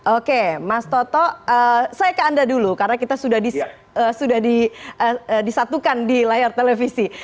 oke mas toto saya ke anda dulu karena kita sudah disatukan di layar televisi